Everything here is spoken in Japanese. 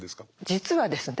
実はですね